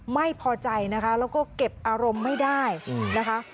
ไม่พอใจนะคะแล้วก็เก็บอารมณ์ไม่ได้นะคะ